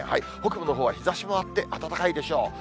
北部のほうは、日ざしもあって暖かいでしょう。